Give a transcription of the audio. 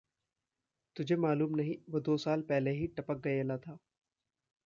तुझे मालूम नहीं वो दो साल पहले ही टपक गयेला था?